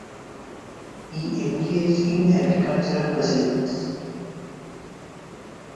He engaged in agricultural pursuits.